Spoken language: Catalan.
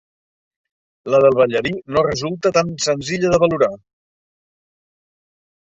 La del ballarí no resulta tan senzilla de valorar.